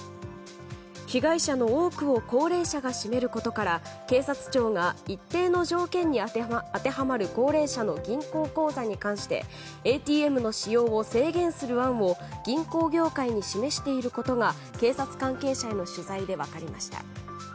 被害者の多くを高齢者が占めることから警察庁が一定の条件に当てはまる高齢者の銀行口座に関してＡＴＭの使用を制限する案を銀行業界に示していることが警察関係者への取材で分かりました。